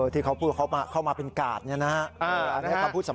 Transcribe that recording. ที่เขาพูดเขาเข้ามาเป็นกาดเนี่ยนะครับ